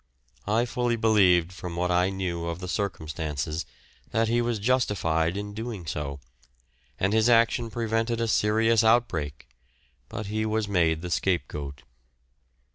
I fully believed from what I knew of the circumstances that he was justified in doing so, and his action prevented a serious outbreak, but he was made the scapegoat.